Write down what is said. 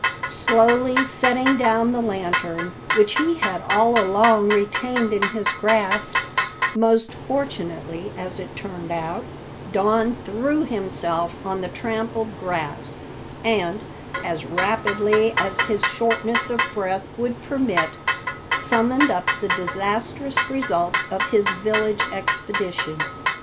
Slowly setting down the lantern, which he had all along retained in his grasp most fortunately, as it turned out Don threw himself on the trampled grass, and, as rapidly as his shortness of breath would permit, summed up the disastrous results of his village expedition.